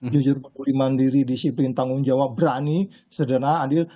jujur peduli mandiri disiplin tanggung jawab berani sederhana adil